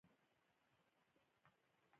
دوی باور نه درلود چې دا ماشين به بازار ومومي.